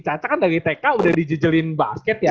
kakak kan dari tk udah dijijelin basket ya